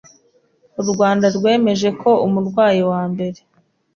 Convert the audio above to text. u Rwanda rwemeje ko umurwayi wa mbere